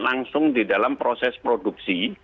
langsung di dalam proses produksi